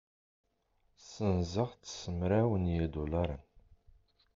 Ssenzeɣ-t s mraw n yidulaṛen.